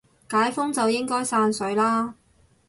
解封就應該散水啦